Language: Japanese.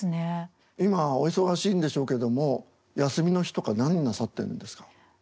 今お忙しいんでしょうけども休みの日とか何なさってるんですか？